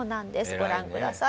ご覧ください。